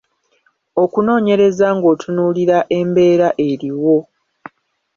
Okunoonyereza ng’otunuulira embeera eriwo.